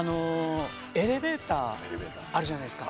エレベーターあるじゃないですか。